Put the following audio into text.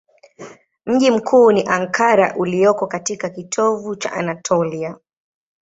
Mji mkuu ni Ankara ulioko katika kitovu cha Anatolia.